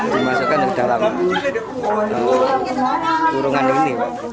dimasukkan ke dalam kurungan ini